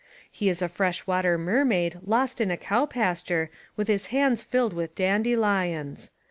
He is a fresh water mermaid lost in a cow pasture with his hands filled with dandylions.